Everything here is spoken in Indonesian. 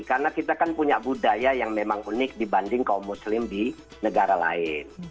karena kita kan punya budaya yang memang unik dibanding kaum muslim di negara lain